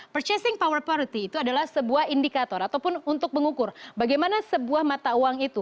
purchasing power parity itu adalah sebuah indikator ataupun untuk mengukur bagaimana sebuah mata uang itu